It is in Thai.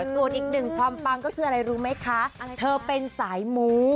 ส่วนอีกหนึ่งความปังก็คืออะไรรู้ไหมคะเธอเป็นสายมู